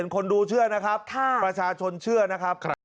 คนดูเชื่อนะครับประชาชนเชื่อนะครับ